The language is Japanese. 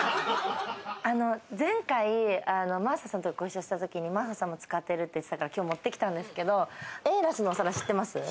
前回、真麻さんとご一緒したときに、真麻さんも使ってるって言ってたからきょう持ってきたんですけれど、エイラスのお皿知ってます。